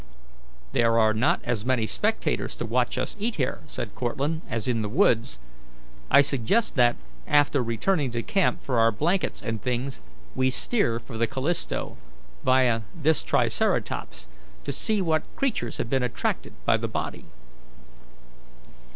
"There are not as many spectators to watch us eat here," said Cortlandt, "as in the woods. I suggest that, after returning to camp for our blankets and things, we steer for the Callisto, via this Triceratops, to see what creatures have been attracted by the body."